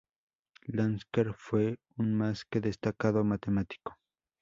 Lasker fue un más que destacado matemático.